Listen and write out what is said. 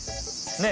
ねえ？